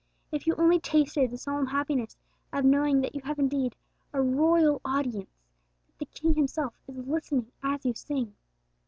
If you only tasted the solemn happiness of knowing that you have indeed a royal audience, that the King Himself is listening as you sing!